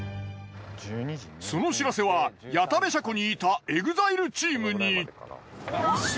その知らせは谷田部車庫にいたＥＸＩＬＥチームに。